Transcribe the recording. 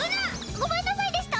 ごめんなさいでした！